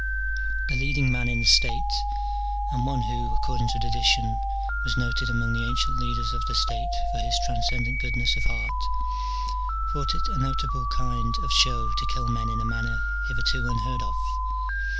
The leading man in the state, and one who, according to tradition, was noted among the ancient leaders of the state for his transcendent goodness of heart, thought it a notable kind of show to kill men in a manner hitherto unheard of.